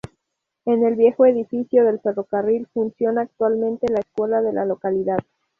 En el viejo edificio de ferrocarril funciona actualmente la Escuela de la localidad.